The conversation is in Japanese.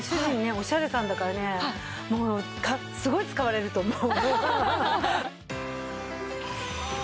オシャレさんだからねもうすごい使われると思う。